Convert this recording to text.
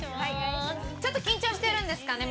ちょっと緊張してるんですかね？